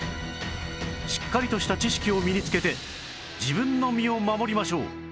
しっかりとした知識を身につけて自分の身を守りましょう